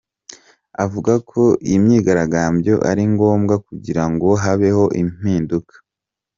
Avuga ko iyi myigaragambyo ari ngombwa kugirango habeho impinduka .